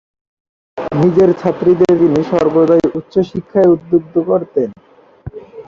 নিজের ছাত্রীদের তিনি সর্বদা উচ্চশিক্ষায় উদ্বুদ্ধ করতেন।